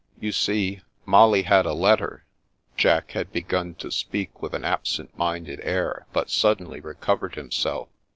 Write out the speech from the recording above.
" You see, Molly had a letter " Jack had be gun to speak with an absent minded air, but sud denly recovered himself.